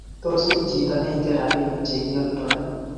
tos mi chito ne ingen robinik che kioldoen?